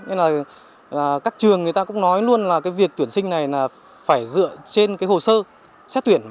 nên là các trường người ta cũng nói luôn là cái việc tuyển sinh này là phải dựa trên cái hồ sơ xét tuyển